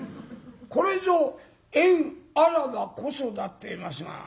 これぞ「縁あらばこそだ」っていいますが。